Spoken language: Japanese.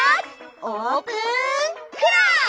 オープンクラス！